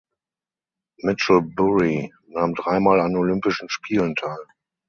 Michel Bury nahm dreimal an Olympischen Spielen teil.